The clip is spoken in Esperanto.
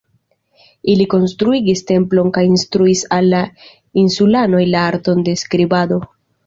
Ili konstruigis templon kaj instruis al la insulanoj la arton de skribado.